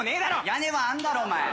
屋根はあんだろお前！